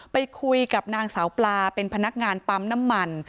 ไปคุยกับนางสาวปลาเป็นพนักงานปั๊มน้ำมัน